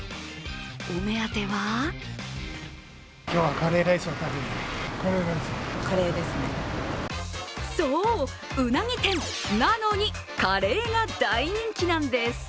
お目当てはそう、うなぎ店な・の・に、カレーが大人気なんです。